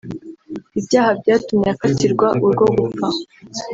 Ibyaha byatumye akatirwa urwo gupfa